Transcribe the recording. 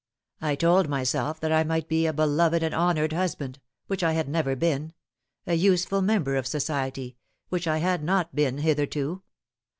I told myself that I might be a beloved and hon oured husband which I had never been a useful member of society which I had not been hitherto.